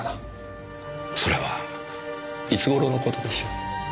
それはいつ頃の事でしょう？